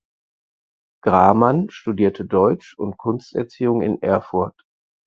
Gramann studierte Deutsch und Kunsterziehung in Erfurt.